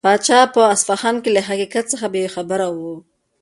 پاچا په اصفهان کې له حقیقت څخه بې خبره و.